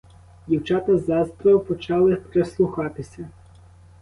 Дівчата заздро почали прислухатися.